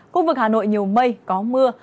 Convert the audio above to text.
khu vực hà nội nhiều mây có mưa